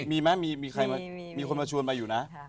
มีมั้ยมีใครมั้ยมีคนมาชวนมาอยู่นะ